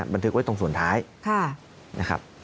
บันทึกไว้ตรงส่วนท้ายนะครับ